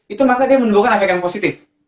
itu maka dia menimbulkan efek yang positif